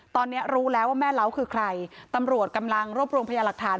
ตอนนี้รู้แล้วว่าแม่เล้าคือใครตำรวจกำลังรวบรวมพยาหลักฐาน